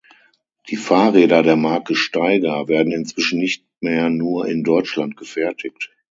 Die Fahrräder der Marke Staiger werden inzwischen nicht mehr nur in Deutschland gefertigt.